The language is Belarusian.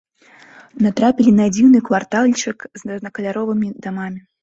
Натрапілі на дзіўны квартальчык з рознакаляровымі дамамі.